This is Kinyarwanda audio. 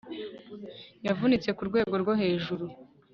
Yavunitse kurwego rwo hejuru